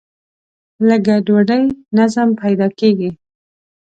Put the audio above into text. له ګډوډۍ نظم پیدا کېږي.